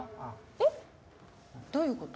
えっ？どういう事？